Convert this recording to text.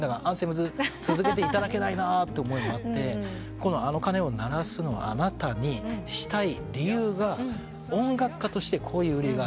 ＡＮＴＨＥＭＳ続けていただけないって思いもあって『あの鐘を鳴らすのはあなた』にしたい理由が音楽家としてこういう理由があります。